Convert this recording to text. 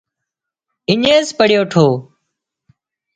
اڃينز پڙِيو ٺو